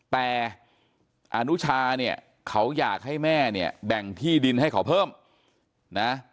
แต่อนุชาเนี่ยเขาอยากให้แม่เนี่ยแบ่งที่ดินให้เขาเพิ่มนะ